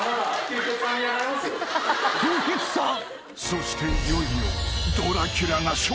［そしていよいよ］